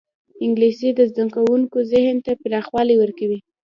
انګلیسي د زدهکوونکو ذهن ته پراخوالی ورکوي